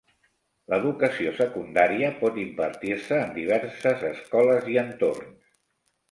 L'educació secundària pot impartir-se en diverses escoles i entorns.